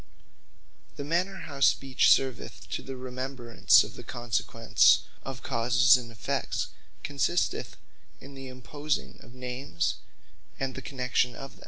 The manner how Speech serveth to the remembrance of the consequence of causes and effects, consisteth in the imposing of Names, and the Connexion of them.